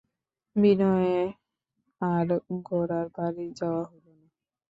বিনয়ের আর গোরার বাড়ি যাওয়া হইল না।